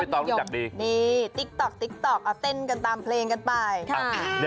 นี่ติ๊กต๊อกติ๊กต๊อกเอาเต้นกันตามเพลงกันไป